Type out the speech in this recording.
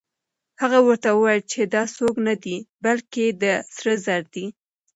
هغه ورته وویل چې دا څوک نه دی، بلکې دا سره زر دي.